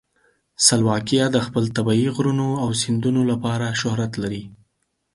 سلواکیا د خپل طبیعي غرونو او سیندونو لپاره شهرت لري.